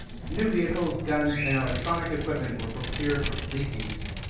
New vehicles, guns and electronic equipment were procured for police use.